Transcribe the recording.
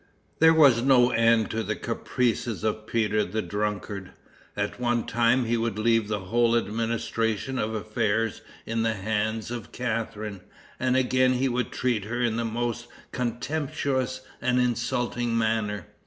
There was no end to the caprices of Peter the drunkard. At one time he would leave the whole administration of affairs in the hands of Catharine, and again he would treat her in the most contemptuous and insulting manner.